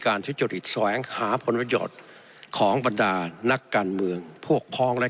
ทุจริตแสวงหาผลประโยชน์ของบรรดานักการเมืองพวกพ้องและ